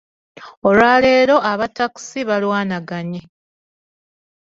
Olwaleero abatakkisi balwanaganye.